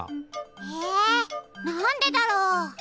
えなんでだろう？